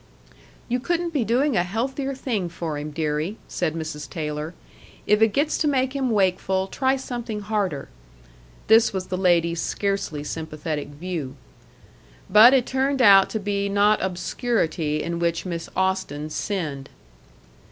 "You couldn't be doing a healthier thing for him, deary," said Mrs. Taylor. "If it gets to make him wakeful, try something harder." This was the lady's scarcely sympathetic view. But it turned out to be not obscurity in which Miss Austen sinned.